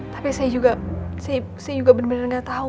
tapi saya juga bener bener gak tau